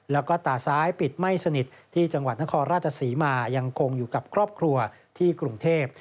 แล้วก็ตาซ้ายปิดไม่สนิทที่จังหวัดนครราชศรีมายังคงอยู่กับครอบครัวที่กรุงเทพ